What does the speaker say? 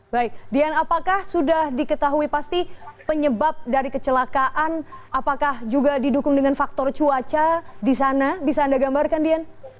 baik dian apakah sudah diketahui pasti penyebab dari kecelakaan apakah juga didukung dengan faktor cuaca di sana bisa anda gambarkan dian